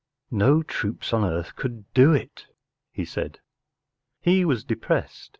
“ No troops on earth could do it,” he said. ... He was depressed.